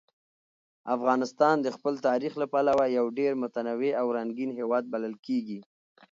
افغانستان د خپل تاریخ له پلوه یو ډېر متنوع او رنګین هېواد بلل کېږي.